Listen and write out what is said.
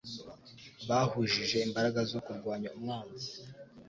Bahujije imbaraga zo kurwanya umwanzi